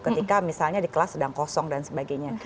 ketika misalnya di kelas sedang kosong dan sebagainya